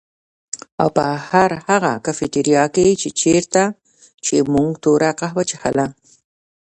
او په هر هغه کيفېټيريا کي چيرته چي مونږ توره کهوه څښله